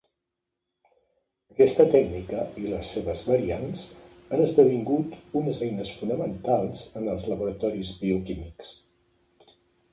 Aquesta tècnica, i les seves variants, han esdevingut unes eines fonamentals en els laboratoris bioquímics.